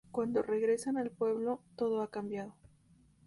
Cuando regresan al pueblo, todo ha cambiado.